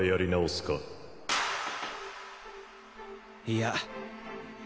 いや。